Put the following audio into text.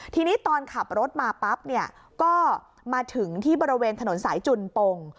ทีนี้ตอนขับรถมาปั๊บเนี่ยก็มาถึงที่บริเวณถนนสายจุนปง